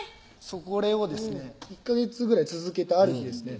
これをですね１カ月ぐらい続けたある日ですね